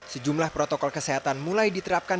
sejumlah protokol kesehatan mulai diterapkan